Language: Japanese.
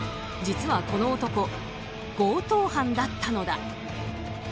実はこの男、強盗犯だったのだ。